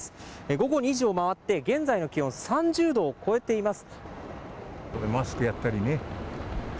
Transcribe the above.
午後２時を回って、現在の気温３０度を超えています。